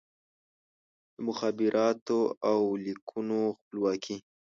د مخابراتو او لیکونو خپلواکي